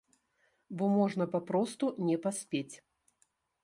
Бо можна папросту не паспець.